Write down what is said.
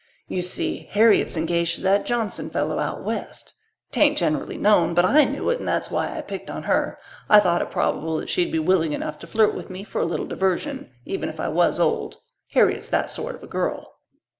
You see, Harriet's engaged to that Johnson fellow out west. 'Tain't generally known, but I knew it and that's why I picked on her. I thought it probable that she'd be willing enough to flirt with me for a little diversion, even if I was old. Harriet's that sort of a girl.